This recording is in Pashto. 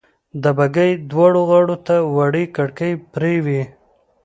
د بګۍ دواړو غاړو ته وړې کړکۍ پرې وې.